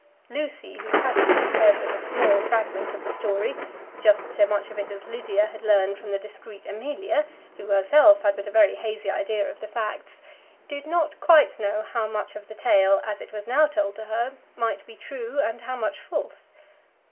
Lucy, who had, in truth, heard but a small fragment of the story, just so much of it as Lydia had learned from the discreet Amelia, who herself had but a very hazy idea of the facts, did not quite know how much of the tale, as it was now told to her, might be true and how much false.